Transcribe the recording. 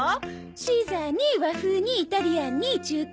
シーザーに和風にイタリアンに中華風。